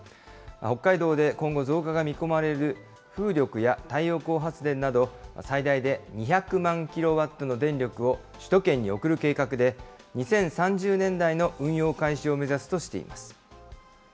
北海道で今後、増加が見込まれる風力や太陽光発電など、最大で２００万キロワットの電力を首都圏に送る計画で、２０３０年代の運用開始を目指すとしています。